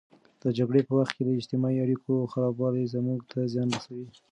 د جګړې په وخت کې د اجتماعي اړیکو خرابوالی زموږ ته زیان رسوي.